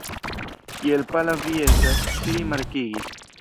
Kiel pala vi estas, ŝi rimarkigis.